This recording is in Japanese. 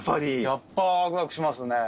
やっぱワクワクしますね。